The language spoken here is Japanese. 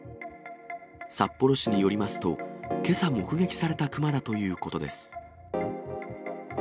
札幌市によりますと、けさ目撃された熊だということです。